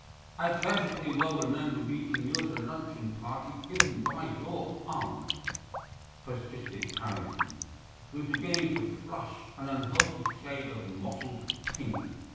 "I perfectly well remember meeting you at a luncheon party given by your aunt," persisted Tarrington, who was beginning to flush an unhealthy shade of mottled pink.